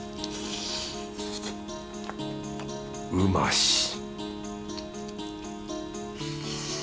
うまし！